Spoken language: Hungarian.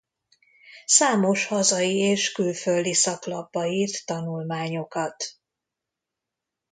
Számos hazai és külföldi szaklapba írt tanulmányokat.